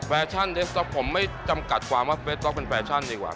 ชั่นเดสต๊อกผมไม่จำกัดความว่าเฟสต๊อกเป็นแฟชั่นดีกว่า